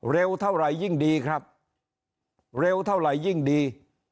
เร็วเท่าไหร่ยิ่งดีครับเร็วเท่าไหร่ยิ่งดี